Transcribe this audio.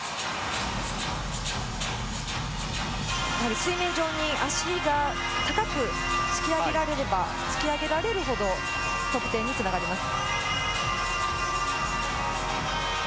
水面上に足が高く突き上げられば突き上げられるほど得点につながります。